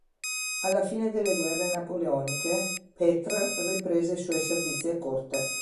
Alla fine delle guerre napoleoniche, Pëtr riprese i suoi servizi a corte.